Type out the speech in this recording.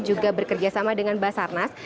juga bekerja sama dengan basarnas